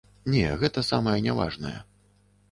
Не, гэта самая няважная.